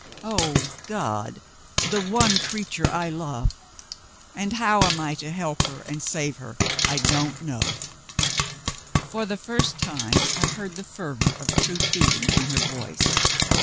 Oh, God! the one creature I love and how I am to help her and save her I don't know!" For the first time, I heard the fervor of true feeling in her voice.